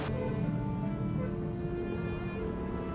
empat dirising gitu